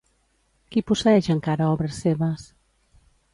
Qui posseeix encara obres seves?